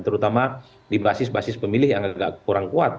terutama di basis basis pemilih yang agak kurang kuat